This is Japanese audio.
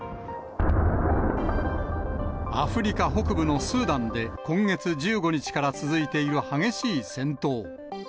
アフリカ北部のスーダンで、今月１５日から続いている激しい戦闘。